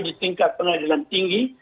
di tingkat pengadilan tinggi